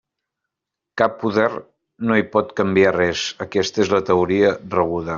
Cap poder no hi pot canviar res: aquesta és la teoria rebuda.